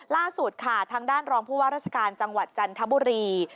ล่าสุดค่ะทางด้านรองผู้ว่าราชการจังหวัดจันทบุรี